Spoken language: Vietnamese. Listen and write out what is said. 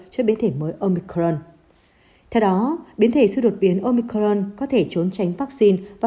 cho biến thể mới omicron theo đó biến thể siêu đột biến omicron có thể trốn tránh vaccine và